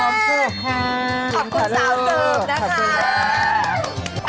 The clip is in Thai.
ได้กินแล้วจ้ะขอบคุณค่ะขอบคุณสาวเจิบนะคะขอบคุณค่ะขอบคุณค่ะ